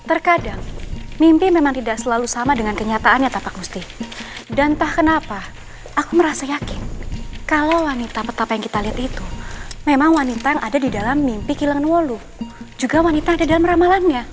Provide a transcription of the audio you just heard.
terkadang mimpi memang tidak selalu sama dengan kenyataannya tapak gusti dan entah kenapa aku merasa yakin kalau wanita betapa yang kita lihat itu memang wanita yang ada di dalam mimpi kilang walu juga wanita di dalam ramalannya